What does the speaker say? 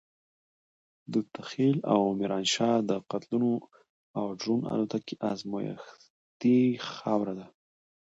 دته خېل او ميرانشاه د قتلونو او ډرون الوتکو ازمايښتي خاوره ده.